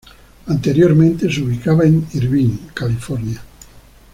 Anteriormente se ubicaba en Irvine, California.